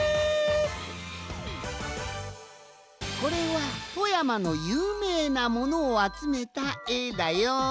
これは富山のゆうめいなものをあつめたえだよん。